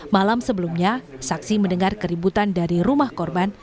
malam sebelumnya saksi mendengar keributan dari rumah korban